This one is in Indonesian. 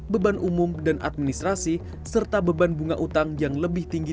beban umum dan administrasi serta beban bunga utang yang lebih tinggi